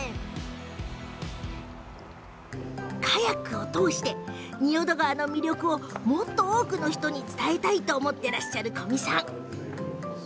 カヤックを通して仁淀川の魅力をもっと多くの人に伝えたいと思ってらっしゃる古味さん。